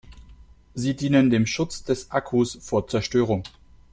Sie dienen dem Schutz des Akkus vor Zerstörung.